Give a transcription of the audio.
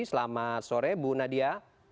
selamat sore bu nadia